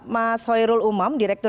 mas hoirul umam direktur